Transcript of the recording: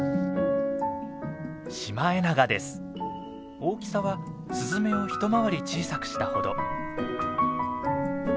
大きさはスズメを一回り小さくしたほど。